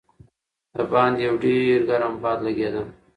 د باندې یو ډېر ګرم باد لګېده.